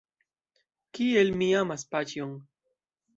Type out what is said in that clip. Kiel mi amas paĉjon!